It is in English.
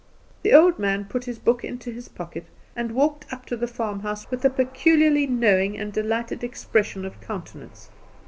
The old man put his book into his pocket, and walked up to the farmhouse with a peculiarly knowing and delighted expression of countenance.